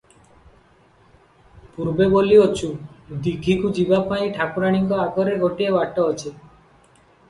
ପୂର୍ବେ ବୋଲିଅଛୁ; ଦୀଘିକୁ ଯିବାପାଇଁ ଠାକୁରାଣୀଙ୍କ ଆଗରେ ଗୋଟିଏ ବାଟ ଅଛି ।